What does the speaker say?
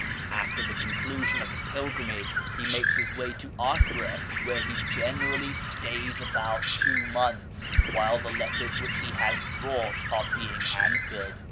After the conclusion of the pilgrimage he makes his way to Acre, where he generally stays about two mouths, while the letters which he has brought are being ansM^ered.